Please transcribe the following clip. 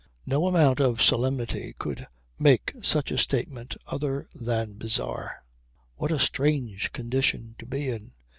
No amount of solemnity could make such a statement other than bizarre. What a strange condition to be in.